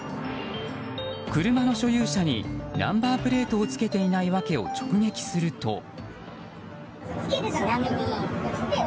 車の所有者にナンバープレートをつけていない訳を直撃すると。